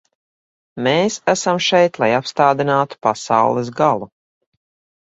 Mēs esam šeit, lai apstādinātu pasaules galu.